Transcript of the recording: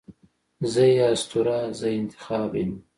زه یې اسطوره، زه انتخاب یمه